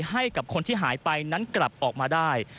ให้กับคนที่หายไปนั้นกลับออกมาได้